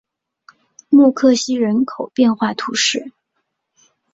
默克西人口变化图示